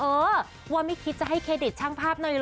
เออว่าไม่คิดจะให้เครดิตช่างภาพหน่อยห